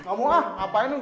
kamu ah apaan lo